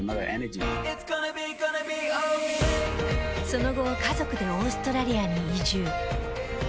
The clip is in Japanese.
その後家族でオーストラリアに移住。